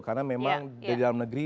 karena memang di dalam negeri